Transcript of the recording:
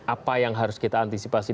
apa yang harus kita antisipasi